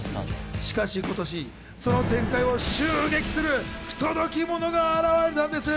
しかし今年、その天界を襲撃する不届き者が現れたんです。